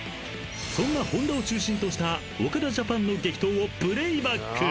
［そんな本田を中心とした岡田ジャパンの激闘をプレーバック］